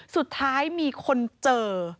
สุดท้ายมีคนเจอ